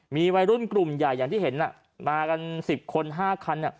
มีวัยรุ่นกลุ่มใหญ่อย่างที่เห็นมากัน๑๐คน๕คัน